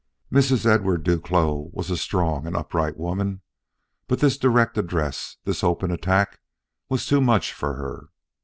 Mrs. Edward Duclos was a strong and upright woman, but this direct address, this open attack, was too much for her.